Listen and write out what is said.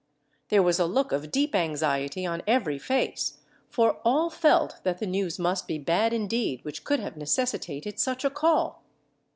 There was a look of deep anxiety on every face, for all felt that the news must be bad, indeed, which could have necessitated such a call.